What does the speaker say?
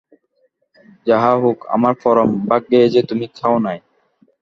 যাহা হউক, আমার পরম ভাগ্য এই যে তুমি খাও নাই।